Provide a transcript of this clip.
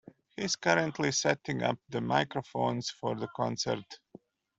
He is currently setting up the microphones for the concert.